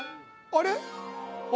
あれ？